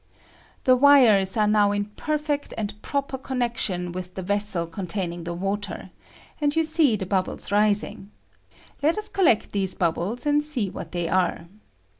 The wires are now in perfect and proper connection with the vessel contain ing the water, and you see the bubbles rising; let us collect these bubbles and see what they are.